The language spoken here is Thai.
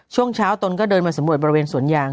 ช่วงเช้าตนก็เดินมาสำรวจบริเวณสวนยาง